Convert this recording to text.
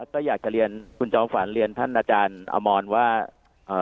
ก็อยากจะเรียนคุณจอมฝันเรียนท่านอาจารย์อมรว่า